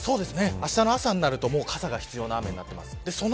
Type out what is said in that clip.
明日の朝になると傘が必要になります。